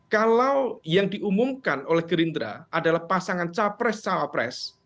kalau yang diumumkan oleh gerindra adalah pasangan capres cawapres